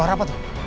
suara apa itu